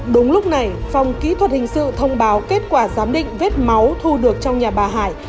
đúng lúc này phòng kỹ thuật hình sự thông báo kết quả giám định vết máu thu được trong nhà bà hải